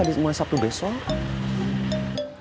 di mulai sabtu besok